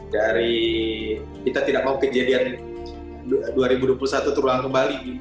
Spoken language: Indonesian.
dari kita tidak mau kejadian dua ribu dua puluh satu terulang kembali